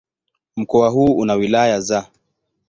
Mkoa huu una wilaya za